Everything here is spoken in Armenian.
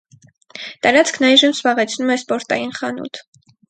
Տարածքն այժմ զբաղեցնում է սպորտային խանութ։